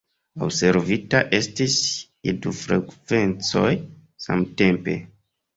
Observita estis je du frekvencoj samtempe.